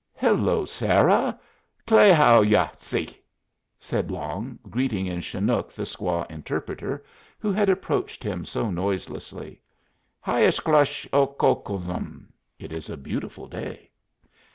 "Hello, Sarah! Kla how ya, six?" said Long, greeting in Chinook the squaw interpreter who had approached him so noiselessly. "Hy as kloshe o coke sun" (It is a beautiful day).